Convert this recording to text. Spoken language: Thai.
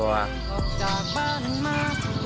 ออกจากบ้านมารับนอน